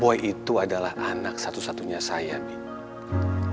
boy itu adalah anak satu satunya saya nih